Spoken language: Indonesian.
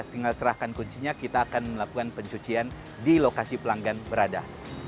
tinggal serahkan kuncinya kita akan melakukan pencucian di lokasi pelanggan berada